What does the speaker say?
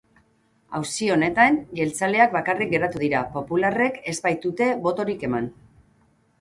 Auzi honetan jeltzaleak bakarrik geratu dira, popularrek ez baitute botorik eman.